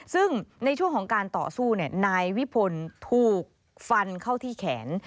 ซึ่งในช่วงของการต่อสู้นายวิพลถูกฟันเข้าที่แขน